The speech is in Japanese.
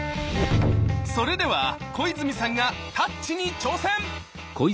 それでは小泉さんが「タッチ」に挑戦！